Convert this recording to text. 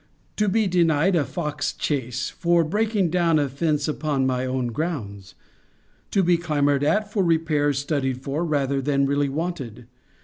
To be denied a fox chace, for breaking down a fence upon my own grounds? To be clamoured at for repairs studied for, rather than really wanted?